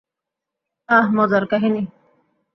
আহ, মজার কাহিনী।